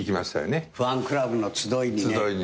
ファンクラブの集いにね。